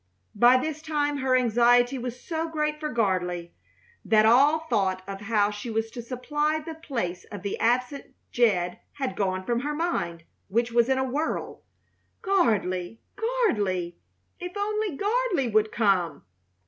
By this time her anxiety was so great for Gardley that all thought of how she was to supply the place of the absent Jed had gone from her mind, which was in a whirl. Gardley! Gardley! If only Gardley would come!